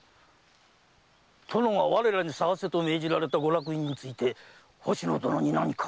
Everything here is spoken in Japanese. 殿が我らに探せと命じられたご落胤について星野殿に何か？